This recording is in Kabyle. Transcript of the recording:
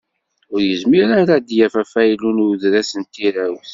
Ur yezmir ara ad d-yaf afaylu n udras n tirawt.